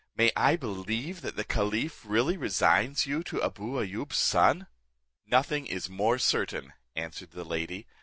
May I believe that the caliph really resigns you to Abou Ayoub's son?" "Nothing is more certain," answered the lady.